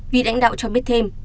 vị đánh đạo cho biết thêm